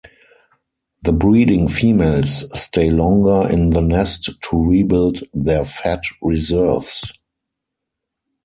The breeding females stay longer in the nest to rebuild their fat reserves.